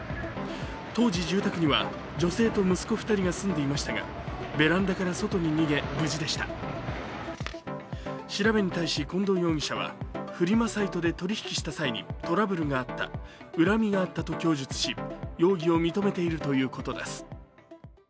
当時、住宅には女性と息子２人が住んでいましたが、ベランダから外に逃げ、無事でした調べに対し近藤容疑者はフリマサイトで取引をした際にトラブルがあった、恨みがあったと供述し容疑を認めているということです。